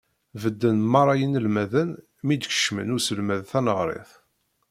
Bedden merra yinelmaden mi d-yekcem uselmad taneɣrit.